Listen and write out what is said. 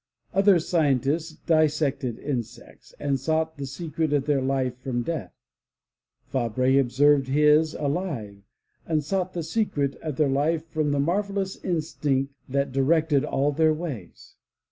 Other scientists dis sected insects and sought the secret of their life from death; Fabre observed his alive and sought the secret of their life from the marvelous instinct that directed all their ways.